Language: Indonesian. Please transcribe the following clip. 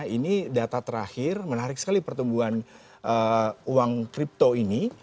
ini data terakhir menarik sekali pertumbuhan uang kripto ini